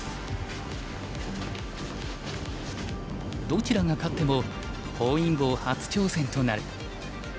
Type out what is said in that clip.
どちらが勝っても本因坊初挑戦となる。